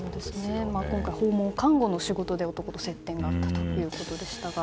今回、訪問看護の仕事で男と接点があったということですが。